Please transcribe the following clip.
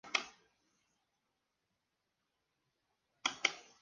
Con quien tiene dos hijas Haley y Hana Giraldo.